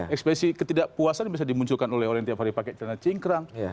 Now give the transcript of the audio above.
ekspresi ketidakpuasan bisa dimunculkan oleh orang yang tiap hari pakai celana cingkrang